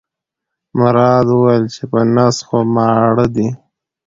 مراد وویل چې په نس خو ماړه دي.